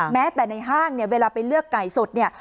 แม้แต่ในห้างเนี่ยเวลาไปเลือกไก่สดเนี่ย